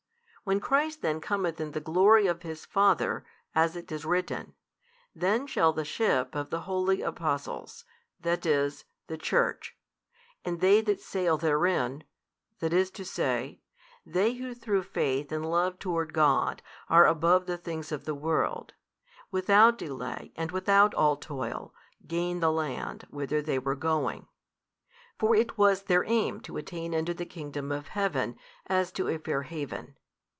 When Christ then cometh in the glory of His Father, as it is written, then shall the ship of the holy Apostles, that is, the Church, and they that sail therein, i. e., they who through faith and love toward God are above the things of the world, without delay and without all toil, gain the land, whither they were going. For it was their aim to attain unto the Kingdom of Heaven, as to a fair haven.